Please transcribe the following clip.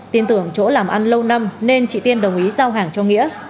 tin tưởng chỗ làm ăn lâu năm nên chị tiên đồng ý giao hàng cho nghĩa